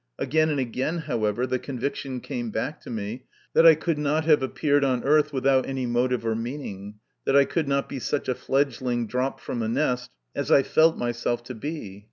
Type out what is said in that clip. Again and again, however, the conviction came back to me that I could not have appeared on earth without any motive or meaning that I could not be such a fledgling dropped from a nest as I felt myself to be.